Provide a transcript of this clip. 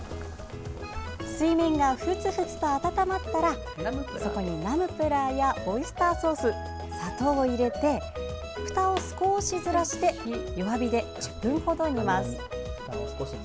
水面がふつふつと温まったらナムプラーやオイスターソース砂糖を入れてふたを少しずらして弱火で１０分ほど煮ます。